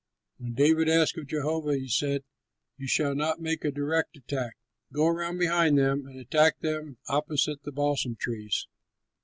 When David asked of Jehovah, he said, "You shall not make a direct attack. Go around behind them and attack them opposite the balsam trees.